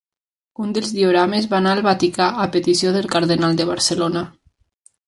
Un dels diorames va anar al Vaticà a petició del Cardenal de Barcelona.